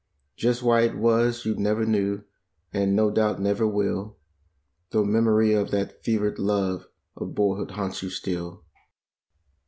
Just why it was you never knew, and no doubt never will. Though memory of that fevered love of boyhood haunts you still.